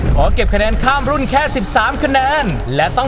ฟันฟันหวาน